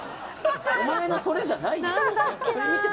お前のそれじゃないよ！